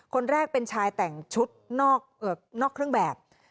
คนแรกเป็นชายแต่งชุดนอกเครื่องแบบ